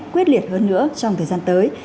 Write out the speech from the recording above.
quyết liệt hơn nữa trong thời gian tới